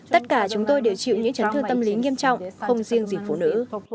tất cả chúng tôi đều chịu những chấn thương tâm lý nghiêm trọng không riêng gì phụ nữ